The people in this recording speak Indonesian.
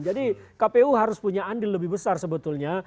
jadi kpu harus punya andil lebih besar sebetulnya